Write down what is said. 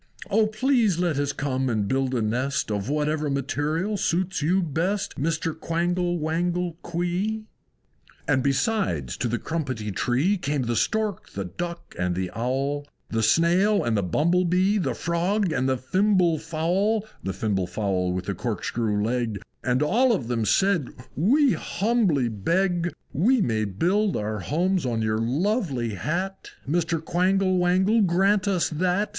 O please let us come and build a nest Of whatever material suits you best, Mr. Quangle Wangle Quee!" IV. And besides, to the Crumpetty Tree Came the Stork, the Duck, and the Owl; The Snail and the Bumble Bee, The Frog and the Fimble Fowl (The Fimble Fowl, with a Corkscrew leg); And all of them said, "We humbly beg We may build our homes on your lovely Hat, Mr. Quangle Wangle, grant us that!